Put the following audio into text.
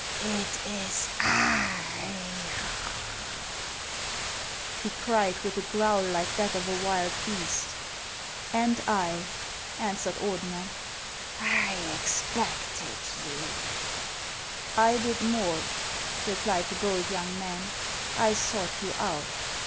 " It is I," he cried, with a growl like that of a wild beast. 21 322 HANS OF ICELAND. " And I," answered Ordener. " I expected you." " I did more," replied the bold young man ;" I sought you out."